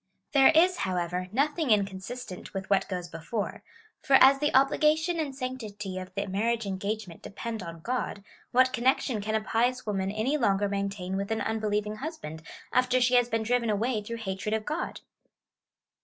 There is, however, nothing inconsistent with what goes before ; for as the obligation and sanctity of the marriage engagement depend upon God, what connection can a pious woman any longer maintain with an unbelieving husband, after she has been driven away through hatred of God?